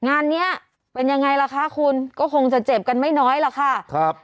งานเนี้ยเป็นยังไงล่ะคะคุณก็คงจะเจ็บกันไม่น้อยล่ะค่ะครับ